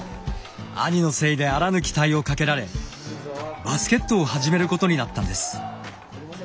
兄のせいであらぬ期待をかけられバスケットを始めることになったんです。